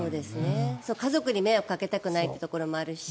家族に迷惑をかけたくないというところもあるし